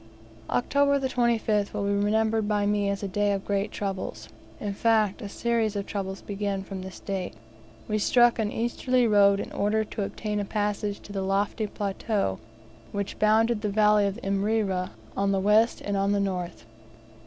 October the 25th will be remembered by me as a day of great troubles; in fact, a series of troubles began from this date. We struck an easterly road in order to obtain a passage to the lofty plateau which bounded the valley of Imrera on the west and on the north.